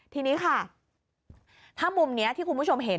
ทีนี้ค่ะถ้ามุมนี้ที่คุณผู้ชมเห็น